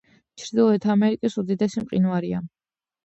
ჩრდილოეთ ამერიკის უდიდესი მყინვარია.